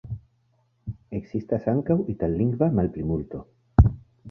Ekzistas ankaŭ itallingva malplimulto.